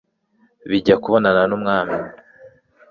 bijya kubonana n'umwami